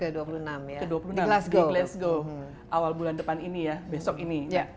oke flash go awal bulan depan ini ya besok ini